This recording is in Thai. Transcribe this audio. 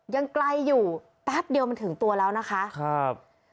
ยังไกลอยู่แป๊บเดียวมันถึงตัวแล้วนะคะครับ